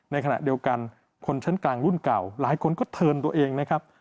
ในขณะเดียวกันคนชั้นกลางรุ่นเก่าหลายคนก็เทินตัวเองนะครับ